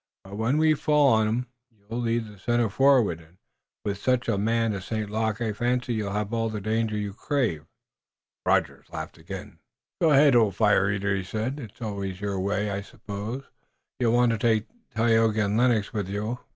"But when we fall on 'em you'll lead the center forward, and with such a man as St. Luc I fancy you'll have all the danger you crave." Rogers laughed again. "Go ahead, old fire eater," he said. "It was always your way. I suppose you'll want to take Tayoga and Lennox with you."